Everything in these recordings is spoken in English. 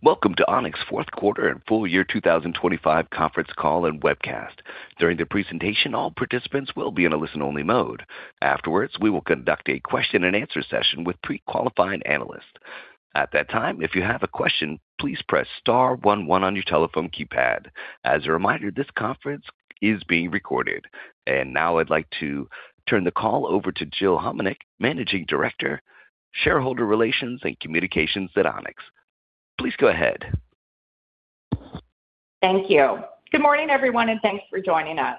Welcome to Onex Q4 and full year 2025 Conference Call and webcast. During the presentation, all participants will be in a listen-only mode. Afterwards, we will conduct a question-and-answer session with pre-qualified analysts. At that time, if you have a question, please press star one one on your telephone keypad. As a reminder, this conference is being recorded. Now I'd like to turn the call over to Jill Homenuk, Managing Director, Shareholder Relations and Communications at Onex. Please go ahead. Thank you. Good morning, everyone, and thanks for joining us.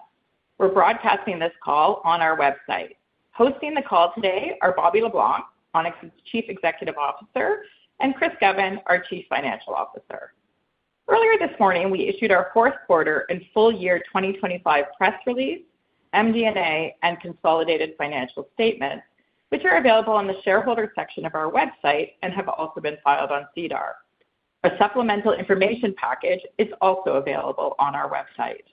We're broadcasting this call on our website. Hosting the call today are Bobby Le Blanc, Onex's Chief Executive Officer, and Chris Govan, our Chief Financial Officer. Earlier this morning, we issued our Q4 and full year 2025 press release, MD&A, and consolidated financial statements, which are available on the shareholder section of our website and have also been filed on SEDAR. A supplemental information package is also available on our website.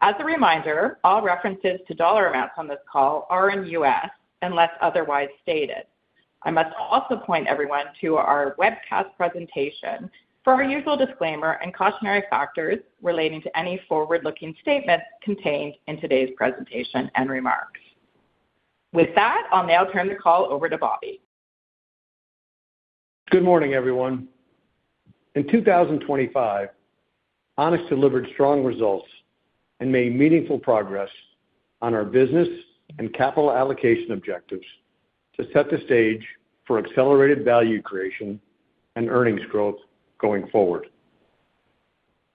As a reminder, all references to dollar amounts on this call are in U.S., unless otherwise stated. I must also point everyone to our webcast presentation for our usual disclaimer and cautionary factors relating to any forward-looking statements contained in today's presentation and remarks. With that, I'll now turn the call over to Bobby. Good morning, everyone. In 2025, Onex delivered strong results and made meaningful progress on our business and capital allocation objectives to set the stage for accelerated value creation and earnings growth going forward.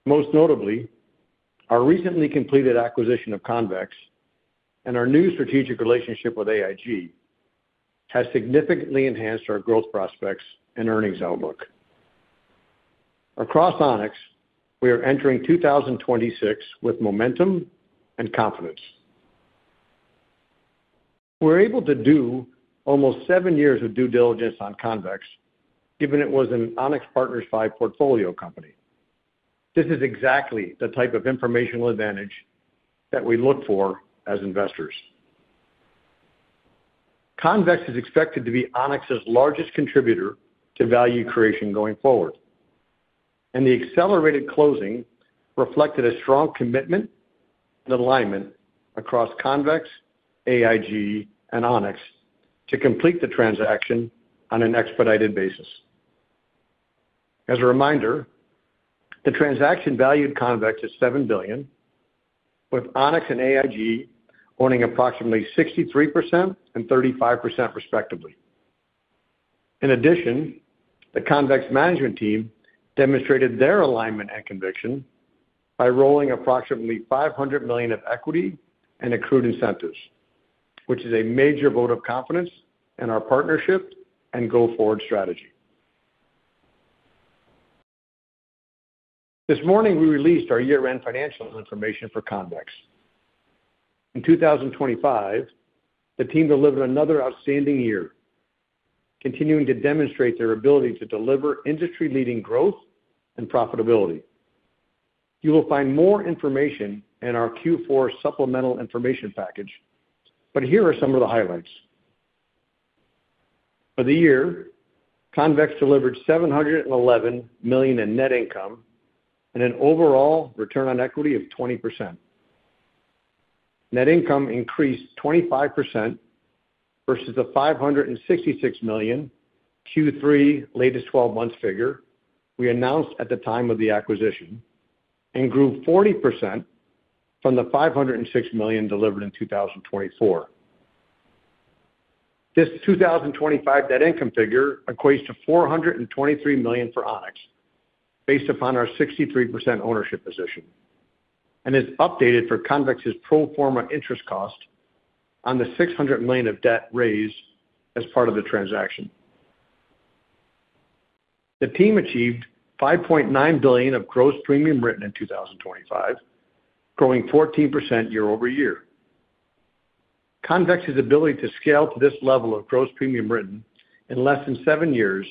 Most notably, our recently completed acquisition of Convex and our new strategic relationship with AIG has significantly enhanced our growth prospects and earnings outlook. Across Onex, we are entering 2026 with momentum and confidence. We're able to do almost 7 years of due diligence on Convex, given it was an Onex Partners V portfolio company. This is exactly the type of informational advantage that we look for as investors. Convex is expected to be Onex's largest contributor to value creation going forward, and the accelerated closing reflected a strong commitment and alignment across Convex, AIG, and Onex to complete the transaction on an expedited basis. As a reminder, the transaction valued Convex at $7 billion, with Onex and AIG owning approximately 63% and 35%, respectively. In addition, the Convex management team demonstrated their alignment and conviction by rolling approximately $500 million of equity and accrued incentives, which is a major vote of confidence in our partnership and go-forward strategy. This morning, we released our year-end financial information for Convex. In 2025, the team delivered another outstanding year, continuing to demonstrate their ability to deliver industry-leading growth and profitability. You will find more information in our Q4 supplemental information package, but here are some of the highlights. For the year, Convex delivered $711 million in net income and an overall return on equity of 20%. Net income increased 25% versus the $566 million Q3 latest twelve months figure we announced at the time of the acquisition and grew 40% from the $506 million delivered in 2024. This 2025 net income figure equates to $423 million for Onex, based upon our 63% ownership position, and is updated for Convex's pro forma interest cost on the $600 million of debt raised as part of the transaction. The team achieved $5.9 billion of gross premium written in 2025, growing 14% year-over-year. Convex's ability to scale to this level of gross premium written in less than seven years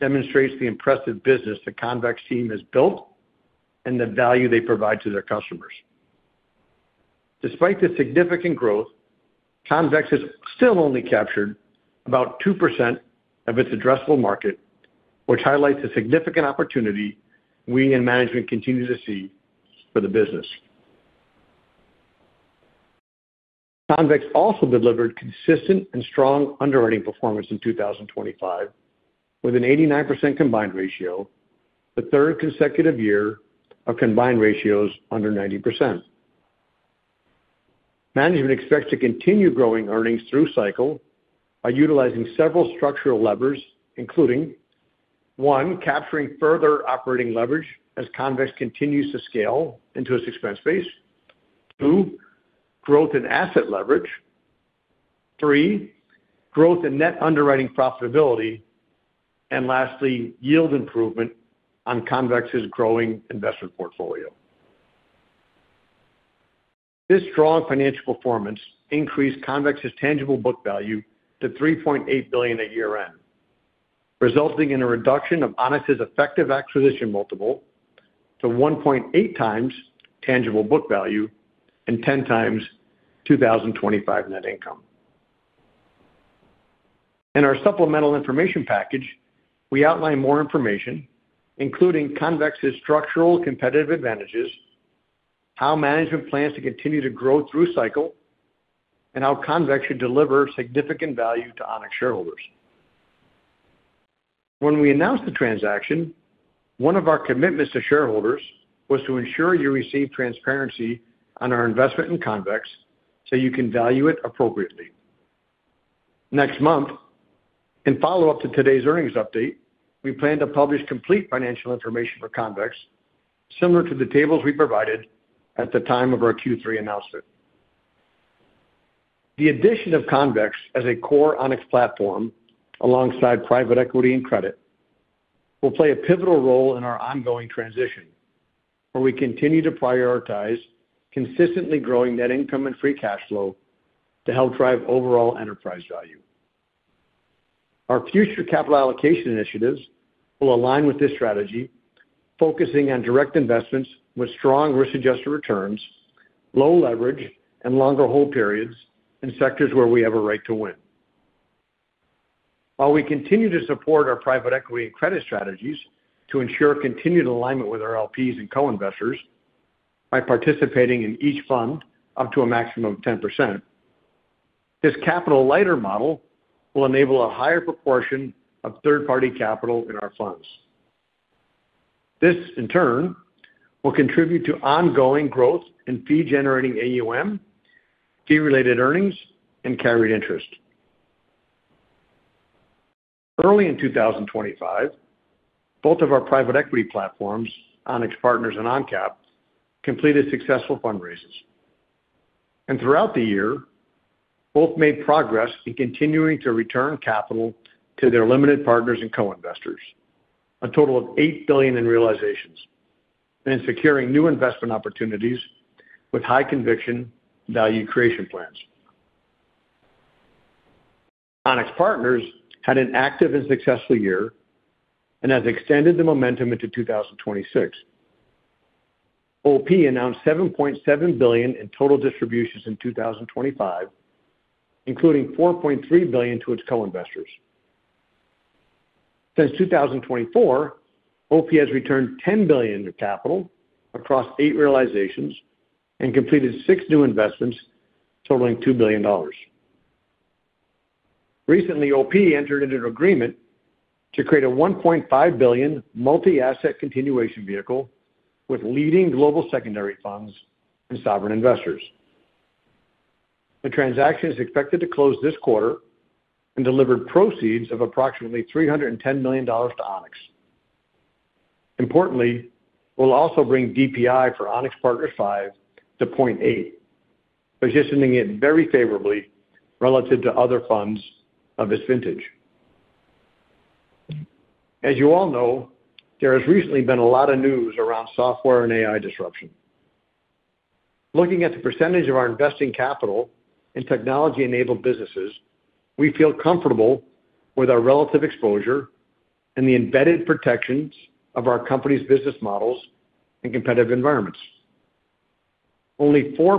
demonstrates the impressive business the Convex team has built and the value they provide to their customers. Despite the significant growth, Convex has still only captured about 2% of its addressable market, which highlights the significant opportunity we and management continue to see for the business. Convex also delivered consistent and strong underwriting performance in 2025, with an 89% combined ratio, the third consecutive year of combined ratios under 90%. Management expects to continue growing earnings through-cycle by utilizing several structural levers, including, one, capturing further operating leverage as Convex continues to scale into its expense base. Two, growth and asset leverage. Three, growth and net underwriting profitability. And lastly, yield improvement on Convex's growing investment portfolio. This strong financial performance increased Convex's tangible book value to $3.8 billion at year-end, resulting in a reduction of Onex's effective acquisition multiple to 1.8x tangible book value and 10x 2025 net income. In our supplemental information package, we outline more information, including Convex's structural competitive advantages, how management plans to continue to grow through-cycle, and how Convex should deliver significant value to Onex shareholders. When we announced the transaction, one of our commitments to shareholders was to ensure you receive transparency on our investment in Convex, so you can value it appropriately. Next month, in follow-up to today's earnings update, we plan to publish complete financial information for Convex, similar to the tables we provided at the time of our Q3 announcement. The addition of Convex as a core Onex platform, alongside private equity and credit, will play a pivotal role in our ongoing transition, where we continue to prioritize consistently growing net income and free cash flow to help drive overall enterprise value. Our future capital allocation initiatives will align with this strategy, focusing on direct investments with strong risk-adjusted returns, low leverage, and longer hold periods in sectors where we have a right to win. While we continue to support our private equity and credit strategies to ensure continued alignment with our LPs and co-investors by participating in each fund up to a maximum of 10%, this capital-lighter model will enable a higher proportion of third-party capital in our funds. This, in turn, will contribute to ongoing growth in fee-generating AUM, fee-related earnings, and carried interest. Early in 2025, both of our private equity platforms, Onex Partners and ONCAP, completed successful fundraises. Throughout the year, both made progress in continuing to return capital to their limited partners and co-investors, a total of $8 billion in realizations, and in securing new investment opportunities with high conviction value creation plans. Onex Partners had an active and successful year and has extended the momentum into 2026. OP announced $7.7 billion in total distributions in 2025, including $4.3 billion to its co-investors. Since 2024, OP has returned $10 billion of capital across 8 realizations and completed 6 new investments totaling $2 billion. Recently, OP entered into an agreement to create a $1.5 billion multi-asset continuation vehicle with leading global secondary funds and sovereign investors. The transaction is expected to close this quarter and deliver proceeds of approximately $310 million to Onex. Importantly, we'll also bring DPI for Onex Partners V to 0.8, positioning it very favorably relative to other funds of this vintage. As you all know, there has recently been a lot of news around software and AI disruption. Looking at the percentage of our investing capital in technology-enabled businesses, we feel comfortable with our relative exposure and the embedded protections of our company's business models and competitive environments. Only 4%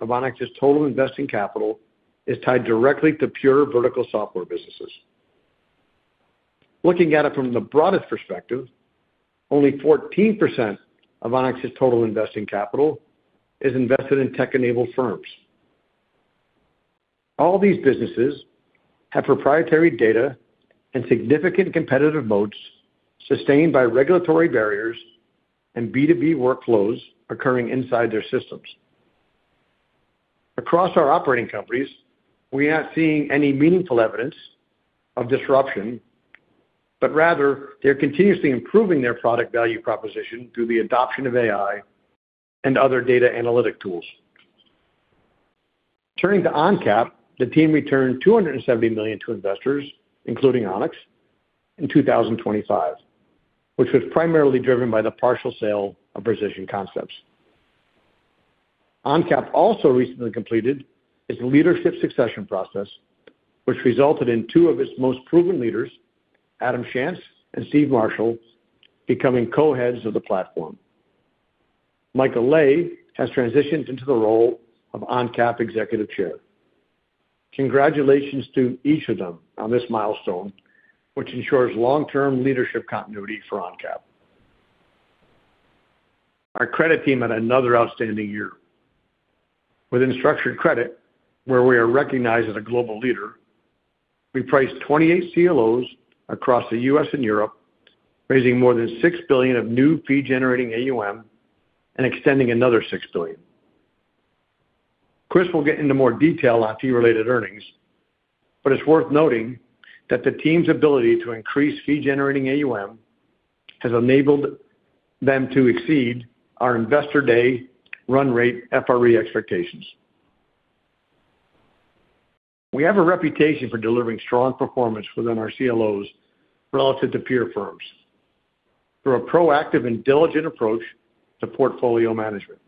of Onex's total investing capital is tied directly to pure vertical software businesses. Looking at it from the broadest perspective, only 14% of Onex's total investing capital is invested in tech-enabled firms. All these businesses have proprietary data and significant competitive moats, sustained by regulatory barriers and B2B workflows occurring inside their systems. Across our operating companies, we are not seeing any meaningful evidence of disruption, but rather, they're continuously improving their product value proposition through the adoption of AI and other data analytic tools. Turning to ONCAP, the team returned $270 million to investors, including Onex, in 2025, which was primarily driven by the partial sale of Precision Concepts. ONCAP also recently completed its leadership succession process, which resulted in two of its most proven leaders, Adam Shantz and Stephen Marshall, becoming co-heads of the platform. Michael Lay has transitioned into the role of ONCAP Executive Chair. Congratulations to each of them on this milestone, which ensures long-term leadership continuity for ONCAP. Our credit team had another outstanding year. Within structured credit, where we are recognized as a global leader, we priced 28 CLOs across the U.S. and Europe, raising more than $6 billion of new fee-generating AUM and extending another $6 billion. Chris will get into more detail on fee-related earnings, but it's worth noting that the team's ability to increase fee-generating AUM has enabled them to exceed our Investor Day run rate FRE expectations. We have a reputation for delivering strong performance within our CLOs relative to peer firms through a proactive and diligent approach to portfolio management.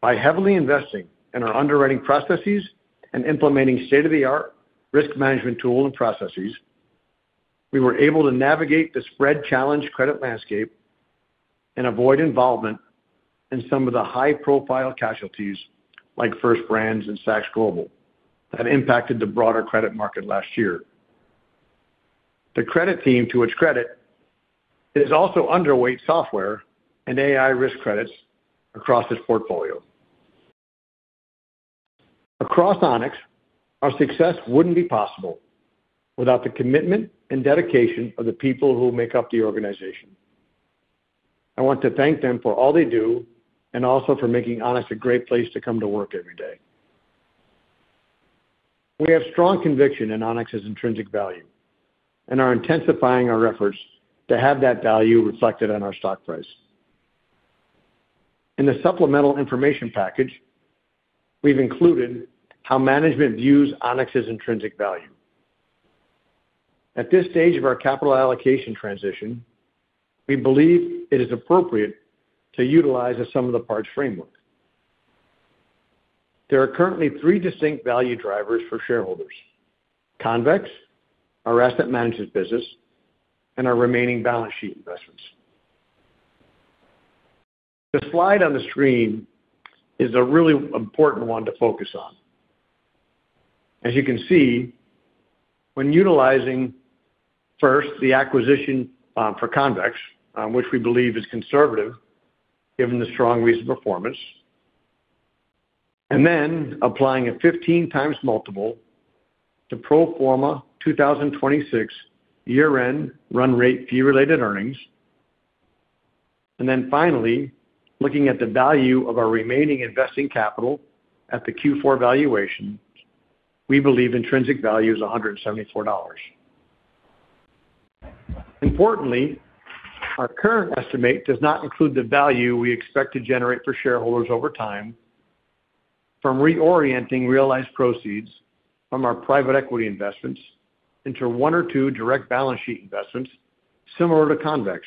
By heavily investing in our underwriting processes and implementing state-of-the-art risk management tools and processes,... we were able to navigate the spread-challenged credit landscape and avoid involvement in some of the high-profile casualties like First Brands and Saks Global that impacted the broader credit market last year. The credit team, to its credit, is also underweight software and AI risk credits across its portfolio. Across Onex, our success wouldn't be possible without the commitment and dedication of the people who make up the organization. I want to thank them for all they do and also for making Onex a great place to come to work every day. We have strong conviction in Onex's intrinsic value and are intensifying our efforts to have that value reflected in our stock price. In the supplemental information package, we've included how management views Onex's intrinsic value. At this stage of our capital allocation transition, we believe it is appropriate to utilize a sum of the parts framework. There are currently three distinct value drivers for shareholders: Convex, our asset management business, and our remaining balance sheet investments. The slide on the screen is a really important one to focus on. As you can see, when utilizing first the acquisition for Convex, which we believe is conservative, given the strong recent performance, and then applying a 15x multiple to pro forma 2026 year-end run rate fee-related earnings, and then finally, looking at the value of our remaining investing capital at the Q4 valuation, we believe intrinsic value is $174. Importantly, our current estimate does not include the value we expect to generate for shareholders over time from reorienting realized proceeds from our private equity investments into one or two direct balance sheet investments similar to Convex,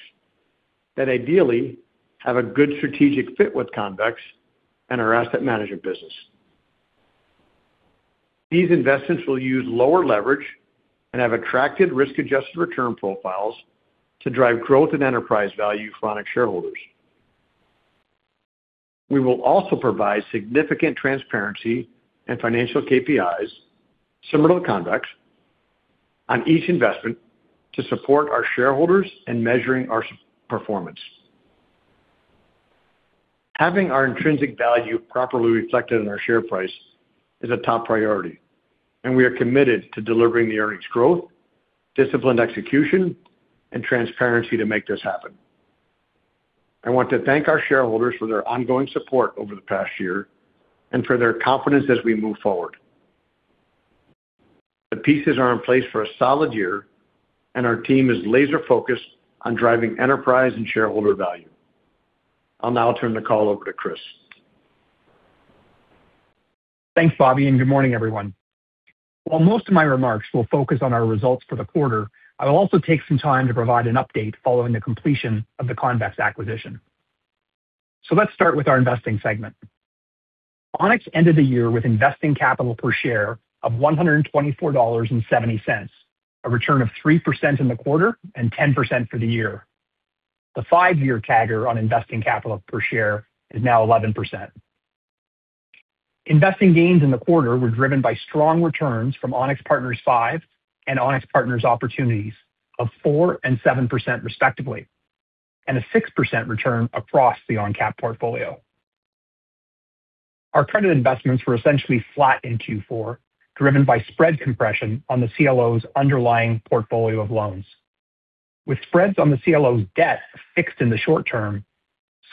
that ideally have a good strategic fit with Convex and our asset management business. These investments will use lower leverage and have attractive risk-adjusted return profiles to drive growth and enterprise value for Onex shareholders. We will also provide significant transparency and financial KPIs similar to Convex on each investment to support our shareholders in measuring our performance. Having our intrinsic value properly reflected in our share price is a top priority, and we are committed to delivering the earnings growth, disciplined execution, and transparency to make this happen. I want to thank our shareholders for their ongoing support over the past year and for their confidence as we move forward. The pieces are in place for a solid year, and our team is laser-focused on driving enterprise and shareholder value. I'll now turn the call over to Chris. Thanks, Bobby, and good morning, everyone. While most of my remarks will focus on our results for the quarter, I will also take some time to provide an update following the completion of the Convex acquisition. So let's start with our investing segment. Onex ended the year with investing capital per share of $124.70, a return of 3% in the quarter and 10% for the year. The five-year CAGR on investing capital per share is now 11%. Investing gains in the quarter were driven by strong returns from Onex Partners V and Onex Partners Opportunities of 4% and 7% respectively, and a 6% return across the ONCAP portfolio. Our credit investments were essentially flat in Q4, driven by spread compression on the CLOs' underlying portfolio of loans. With spreads on the CLO's debt fixed in the short term,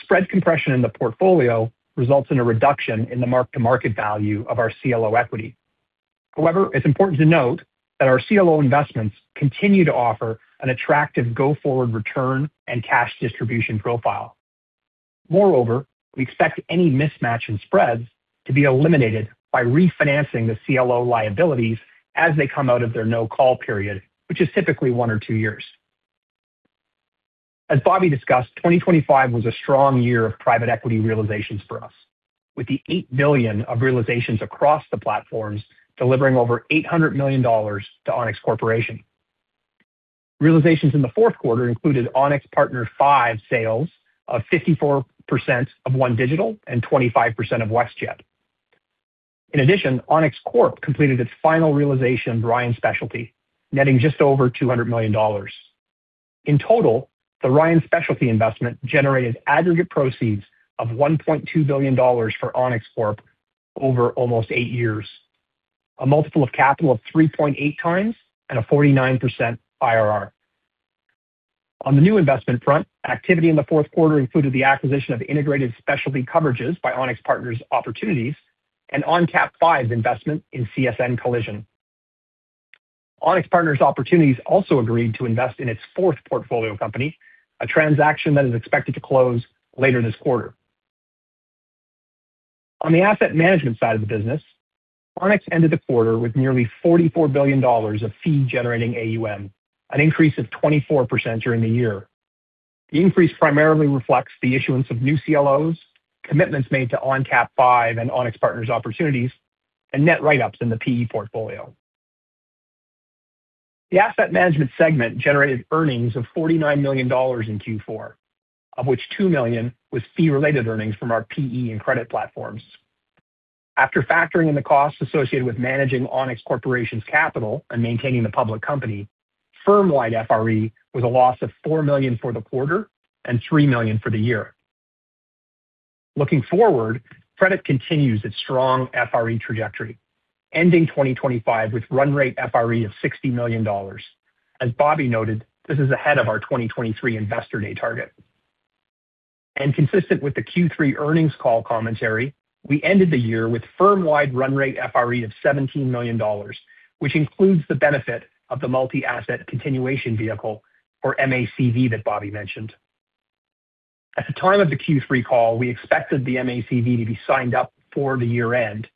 spread compression in the portfolio results in a reduction in the mark-to-market value of our CLO equity. However, it's important to note that our CLO investments continue to offer an attractive go-forward return and cash distribution profile. Moreover, we expect any mismatch in spreads to be eliminated by refinancing the CLO liabilities as they come out of their no-call period, which is typically one or two years. As Bobby discussed, 2025 was a strong year of private equity realizations for us, with the $8 billion of realizations across the platforms delivering over $800 million to Onex Corporation. Realizations in the Q4 included Onex Partners V sales of 54% of OneDigital and 25% of WestJet. In addition, Onex Corporation completed its final realization of Ryan Specialty, netting just over $200 million. In total, the Ryan Specialty investment generated aggregate proceeds of $1.2 billion for Onex Corp over almost eight years, a multiple of capital of 3.8x and a 49% IRR. On the new investment front, activity in the Q4 included the acquisition of Integrated Specialty Coverages by Onex Partners Opportunities and ONCAP V's investment in CSN Collision. Onex Partners Opportunities also agreed to invest in its fourth portfolio company, a transaction that is expected to close later this quarter. On the asset management side of the business, Onex ended the quarter with nearly $44 billion of fee-generating AUM, an increase of 24% during the year.... The increase primarily reflects the issuance of new CLOs, commitments made to ONCAP V and Onex Partners Opportunities, and net write-ups in the PE portfolio. The asset management segment generated earnings of $49 million in Q4, of which $2 million was fee-related earnings from our PE and credit platforms. After factoring in the costs associated with managing Onex Corporation's capital and maintaining the public company, firm-wide FRE was a loss of $4 million for the quarter and $3 million for the year. Looking forward, credit continues its strong FRE trajectory, ending 2025 with run rate FRE of $60 million. As Bobby noted, this is ahead of our 2023 Investor Day target. Consistent with the Q3 earnings call commentary, we ended the year with firm-wide run rate FRE of $17 million, which includes the benefit of the multi-asset continuation vehicle, or MACV, that Bobby mentioned. At the time of the Q3 call, we expected the MACV to be signed up for the year-end,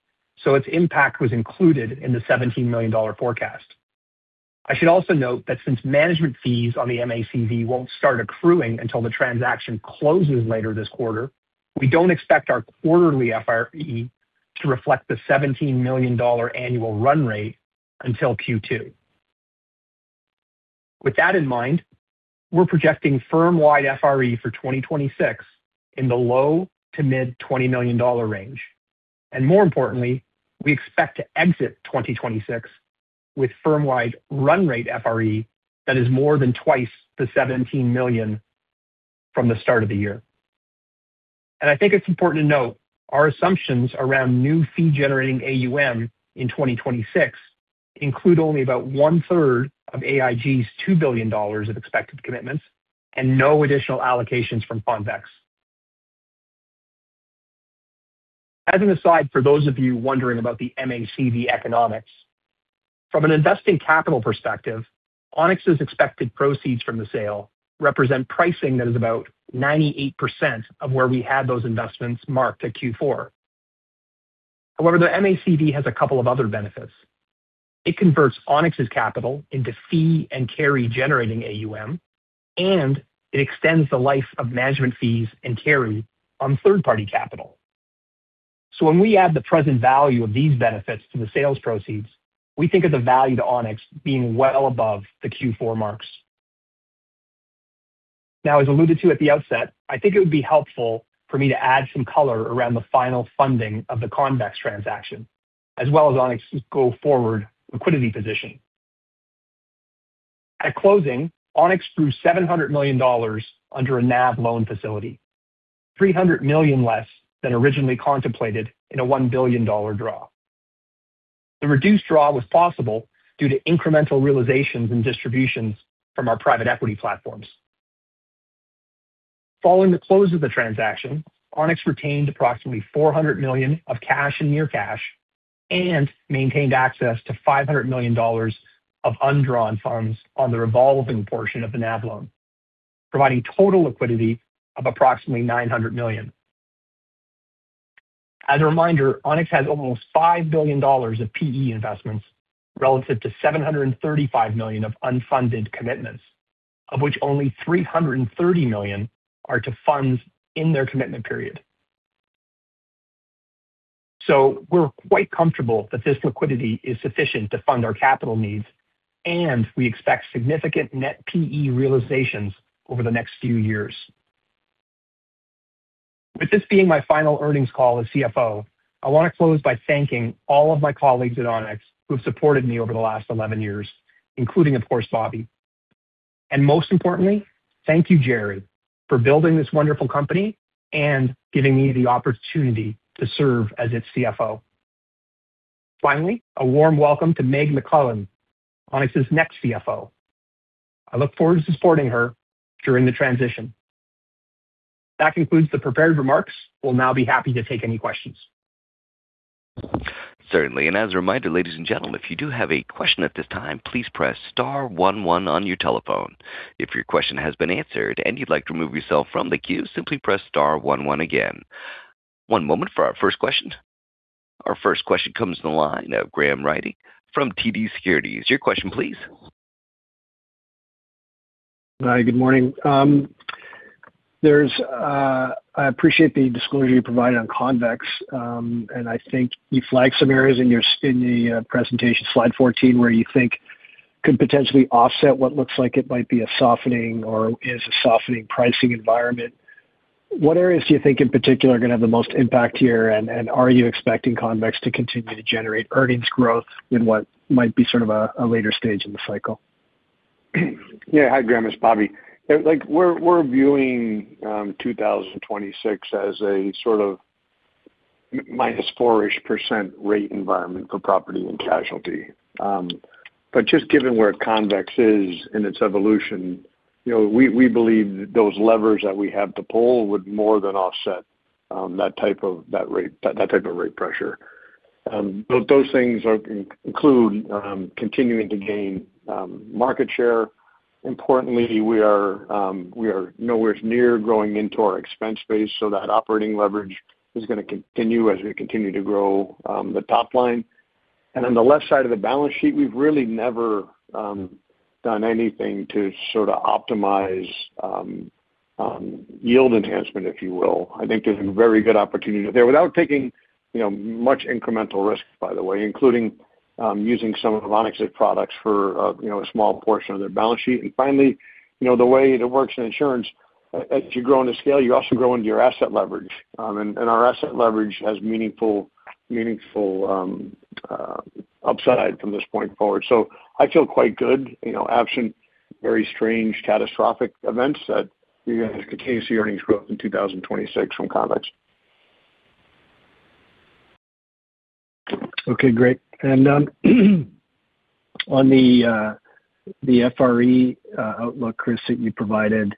so its impact was included in the $17 million forecast. I should also note that since management fees on the MACV won't start accruing until the transaction closes later this quarter, we don't expect our quarterly FRE to reflect the $17 million annual run rate until Q2. With that in mind, we're projecting firm-wide FRE for 2026 in the low- to mid-$20 million range. More importantly, we expect to exit 2026 with firm-wide run rate FRE that is more than twice the $17 million from the start of the year. I think it's important to note, our assumptions around new fee-generating AUM in 2026 include only about one-third of AIG's $2 billion of expected commitments and no additional allocations from Convex. As an aside, for those of you wondering about the MACV economics, from an investing capital perspective, Onex's expected proceeds from the sale represent pricing that is about 98% of where we had those investments marked at Q4. However, the MACV has a couple of other benefits. It converts Onex's capital into fee and carry generating AUM, and it extends the life of management fees and carry on third-party capital. So when we add the present value of these benefits to the sales proceeds, we think of the value to Onex being well above the Q4 marks. Now, as alluded to at the outset, I think it would be helpful for me to add some color around the final funding of the Convex transaction, as well as Onex's go-forward liquidity position. At closing, Onex drew $700 million under a NAV loan facility, $300 million less than originally contemplated in a $1 billion draw. The reduced draw was possible due to incremental realizations and distributions from our private equity platforms. Following the close of the transaction, Onex retained approximately $400 million of cash and near cash and maintained access to $500 million of undrawn funds on the revolving portion of the NAV loan, providing total liquidity of approximately $900 million. As a reminder, Onex has almost $5 billion of PE investments relative to $735 million of unfunded commitments, of which only $330 million are to fund in their commitment period. So we're quite comfortable that this liquidity is sufficient to fund our capital needs, and we expect significant net PE realizations over the next few years. With this being my final earnings call as CFO, I want to close by thanking all of my colleagues at Onex who have supported me over the last 11 years, including, of course, Bobby. Most importantly, thank you, Gerry, for building this wonderful company and giving me the opportunity to serve as its CFO. Finally, a warm welcome to Megan McClellan, Onex's next CFO. I look forward to supporting her during the transition. That concludes the prepared remarks. We'll now be happy to take any questions. Certainly. And as a reminder, ladies and gentlemen, if you do have a question at this time, please press star one one on your telephone. If your question has been answered and you'd like to remove yourself from the queue, simply press star one one again. One moment for our first question. Our first question comes from the line of Graham Ryding from TD Securities. Your question, please. Hi, good morning. There's, I appreciate the disclosure you provided on Convex. And I think you flagged some areas in your—in the presentation, slide 14, where you think could potentially offset what looks like it might be a softening or is a softening pricing environment. What areas do you think in particular are going to have the most impact here, and, and are you expecting Convex to continue to generate earnings growth in what might be sort of a, a later stage in the cycle? Yeah. Hi, Graham, it's Bobby. Like, we're viewing 2026 as a sort of -4%-ish rate environment for property and casualty. But just given where Convex is in its evolution, you know, we believe that those levers that we have to pull would more than offset that type of rate pressure. Those things include continuing to gain market share. Importantly, we are nowhere near growing into our expense base, so that operating leverage is going to continue as we continue to grow the top line. And on the left side of the balance sheet, we've really never done anything to sort of optimize yield enhancement, if you will. I think there's a very good opportunity there without taking, you know, much incremental risk, by the way, including using some of the Onex products for, you know, a small portion of their balance sheet. And finally, you know, the way it works in insurance, as you grow into scale, you also grow into your asset leverage. And our asset leverage has meaningful upside from this point forward. So I feel quite good, you know, absent very strange catastrophic events, that you're gonna continue to see earnings growth in 2026 from Convex. Okay, great. And, on the the FRE outlook, Chris, that you provided,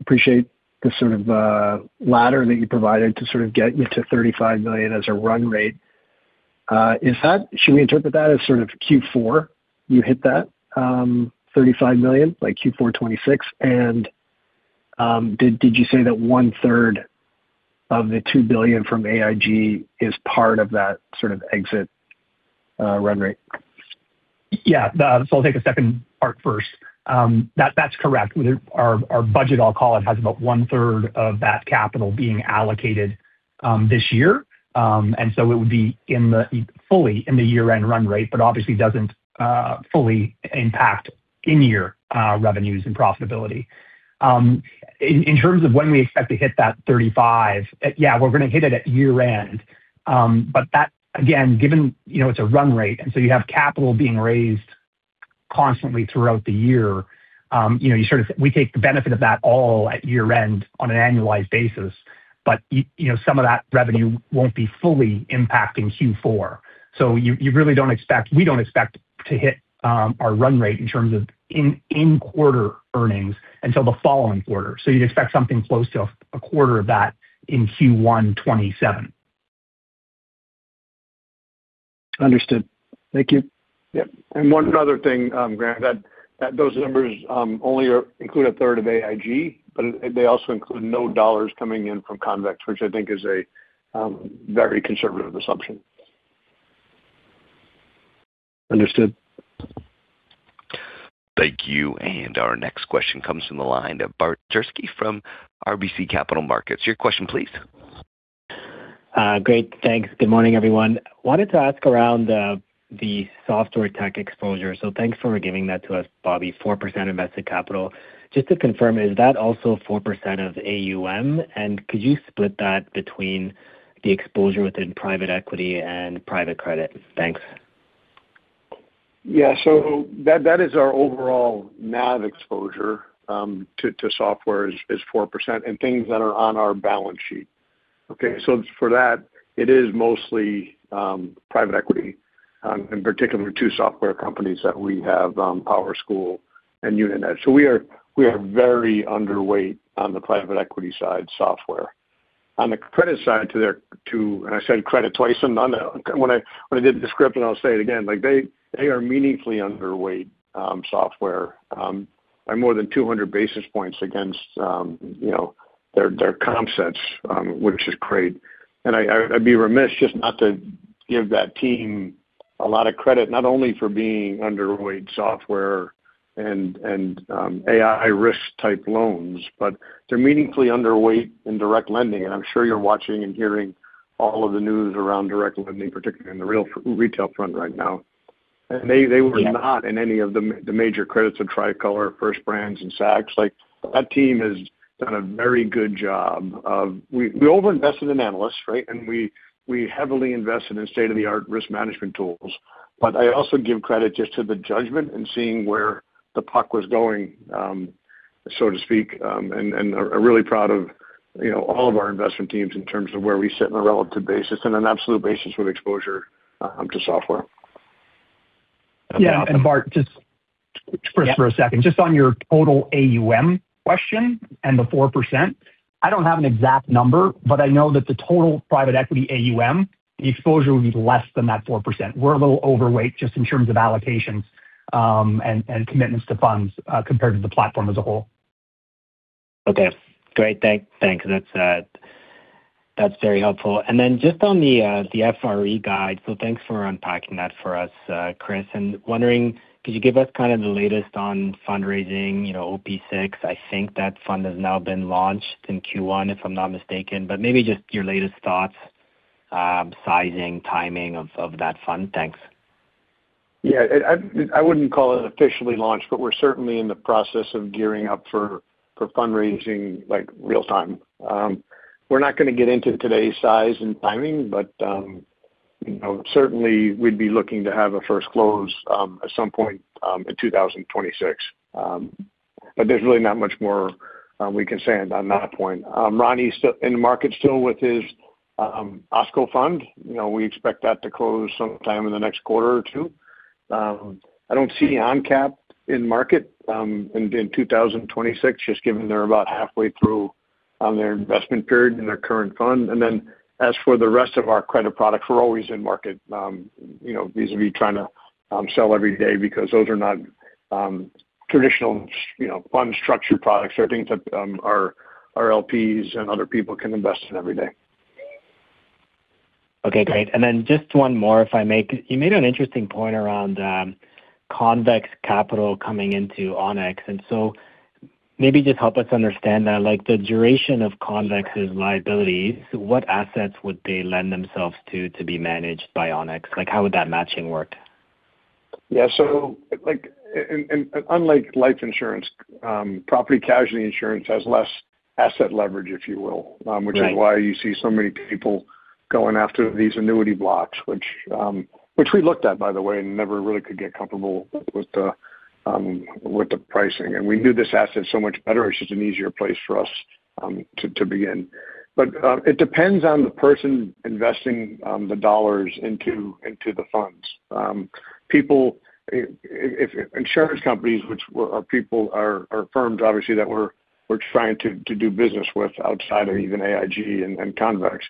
appreciate the sort of ladder that you provided to sort of get you to $35 million as a run rate. Is that—should we interpret that as sort of Q4, you hit that, $35 million, like Q4 2026? And, did you say that one third of the $2 billion from AIG is part of that sort of exit run rate? Yeah, So I'll take a second part first. That, that's correct. Our, our budget, I'll call it, has about one third of that capital being allocated, this year. And so it would be fully in the year-end run rate, but obviously doesn't, fully impact in-year, revenues and profitability. In, in terms of when we expect to hit that 35, yeah, we're gonna hit it at year-end. But that, again, given, you know, it's a run rate, and so you have capital being raised constantly throughout the year, you know, you sort of we take the benefit of that all at year-end on an annualized basis. But y- you know, some of that revenue won't be fully impacting Q4. So you really don't expect—we don't expect to hit our run rate in terms of in-quarter earnings until the following quarter. So you'd expect something close to a quarter of that in Q1 2027. Understood. Thank you. Yeah. And one other thing, Grant, that those numbers only are include a third of AIG, but they also include no dollars coming in from Convex, which I think is a very conservative assumption. Understood. Thank you. Our next question comes from the line of Bart Jurczyk from RBC Capital Markets. Your question, please. Great. Thanks. Good morning, everyone. Wanted to ask around the software tech exposure. So thanks for giving that to us, Bobby. 4% invested capital. Just to confirm, is that also 4% of AUM? And could you split that between the exposure within private equity and private credit? Thanks. Yeah, so that is our overall NAV exposure to software is 4% and things that are on our balance sheet. Okay, so for that, it is mostly private equity and particularly two software companies that we have, PowerSchool and Unanet. So we are very underweight on the private equity side, software. On the credit side, to their, to... And I said credit twice on the- when I did the script, and I'll say it again, like they are meaningfully underweight software by more than 200 basis points against, you know, their concepts, which is great. And I'd be remiss just not to give that team a lot of credit, not only for being underweight software and AI risk-type loans, but they're meaningfully underweight in direct lending. I'm sure you're watching and hearing all of the news around direct lending, particularly in the real retail front right now. And they were not in any of the major credits of Tricor, First Brands and Saks. Like, that team has done a very good job of... We overinvested in analysts, right? And we heavily invested in state-of-the-art risk management tools. But I also give credit just to the judgment and seeing where the puck was going, so to speak, and I'm really proud of, you know, all of our investment teams in terms of where we sit on a relative basis and an absolute basis with exposure to software. Yeah, and Bart, just for a second, just on your total AUM question and the 4%, I don't have an exact number, but I know that the total private equity AUM, the exposure would be less than that 4%. We're a little overweight just in terms of allocations, and commitments to funds, compared to the platform as a whole. Okay, great. Thank you. That's very helpful. And then just on the FRE guide, so thanks for unpacking that for us, Chris. And wondering, could you give us kind of the latest on fundraising, you know, OP VI? I think that fund has now been launched in Q1, if I'm not mistaken, but maybe just your latest thoughts, sizing, timing of that fund. Thanks. Yeah, I wouldn't call it officially launched, but we're certainly in the process of gearing up for fundraising, like, real-time. We're not gonna get into today's size and timing, but, you know, certainly we'd be looking to have a first close, at some point, in 2026. But there's really not much more we can say on that point. Ronnie's still in the market with his OSCO Fund. You know, we expect that to close sometime in the next quarter or two. I don't see ONCAP in market, in 2026, just given they're about halfway through on their investment period in their current fund. As for the rest of our credit products, we're always in market, you know, vis-à-vis trying to sell every day because those are not traditional, you know, fund structured products or things that our LPs and other people can invest in every day. Okay, great. And then just one more, if I may. You made an interesting point around, Convex coming into Onex, and so maybe just help us understand that, like, the duration of Convex's liabilities, what assets would they lend themselves to, to be managed by Onex? Like, how would that matching work? Yeah, so like, unlike life insurance, property casualty insurance has less asset leverage, if you will- Right. which is why you see so many people going after these annuity blocks, which we looked at, by the way, and never really could get comfortable with the pricing. And we knew this asset so much better. It's just an easier place for us to begin. But it depends on the person investing the dollars into the funds. People, if insurance companies, which are firms, obviously, that we're trying to do business with outside of even AIG and Convex.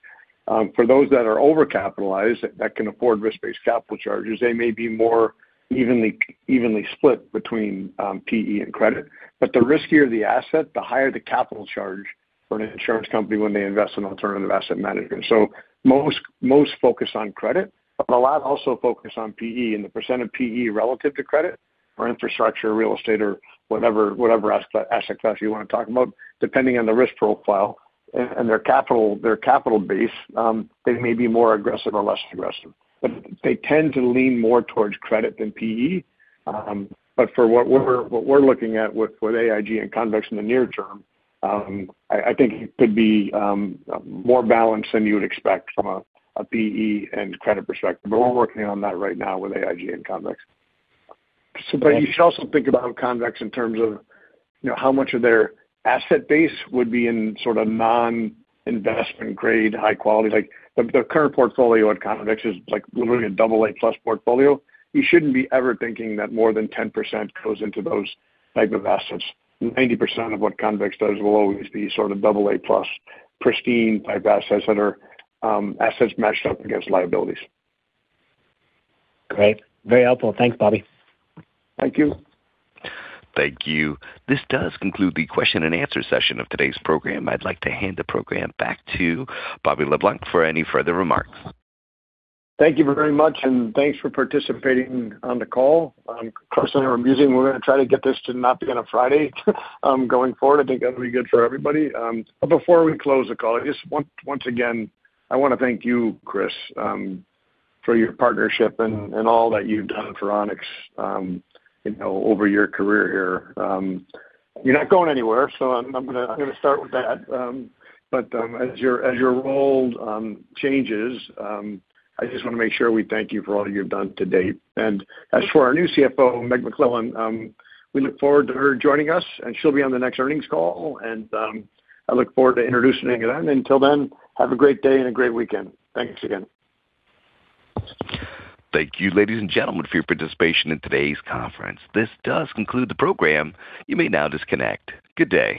For those that are overcapitalized, that can afford Risk-Based Capital charges, they may be more evenly split between PE and credit. But the riskier the asset, the higher the capital charge for an insurance company when they invest in alternative asset management. So most focus on credit, but a lot also focus on PE and the percent of PE relative to credit or infrastructure, real estate or whatever asset class you want to talk about, depending on the risk profile and their capital base, they may be more aggressive or less aggressive. But they tend to lean more towards credit than PE. But for what we're looking at with AIG and Convex in the near term, I think it could be more balanced than you would expect from a PE and credit perspective, but we're working on that right now with AIG and Convex. So but you should also think about Convex in terms of, you know, how much of their asset base would be in sort of non-investment grade, high quality. Like the current portfolio at Convex is like literally a double-A plus portfolio. You shouldn't be ever thinking that more than 10% goes into those type of assets. 90% of what Convex does will always be sort of double-A plus, pristine type assets that are assets matched up against liabilities. Great. Very helpful. Thanks, Bobby. Thank you. Thank you. This does conclude the question and answer session of today's program. I'd like to hand the program back to Bobby Le Blanc for any further remarks. Thank you very much, and thanks for participating on the call. Personally, we're going to try to get this to not be on a Friday, going forward. I think that'll be good for everybody. But before we close the call, I just want, once again, I want to thank you, Chris, for your partnership and all that you've done for Onex, you know, over your career here. You're not going anywhere, so I'm gonna start with that. But as your role changes, I just want to make sure we thank you for all you've done to date. And as for our new CFO, Megan McClellan, we look forward to her joining us, and she'll be on the next earnings call, and I look forward to introducing her then. Until then, have a great day and a great weekend. Thanks again. Thank you, ladies and gentlemen, for your participation in today's conference. This does conclude the program. You may now disconnect. Good day.